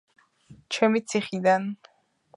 ჩემი ციხიდან...